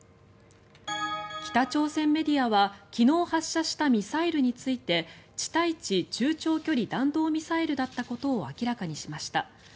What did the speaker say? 北朝鮮メディアは昨日発射したミサイルについて地対地中長距離弾道ミサイルだったことを明らかにしました。